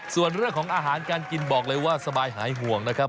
ส่วนเรื่องของอาหารการกินบอกเลยว่าสบายหายห่วงนะครับ